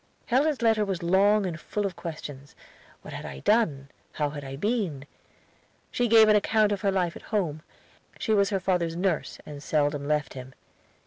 Helen's letter was long and full of questions. What had I done? How had I been? She gave an account of her life at home. She was her father's nurse, and seldom left him.